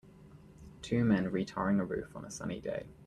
Two men retarring a roof on a sunny day.